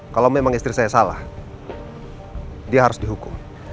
kalau memang istri saya salah dia harus dihukum